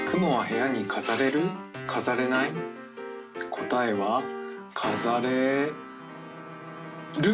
答えはかざれる！